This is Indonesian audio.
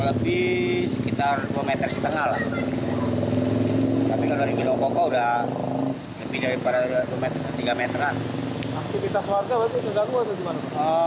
aktivitas warga berarti terganggu atau gimana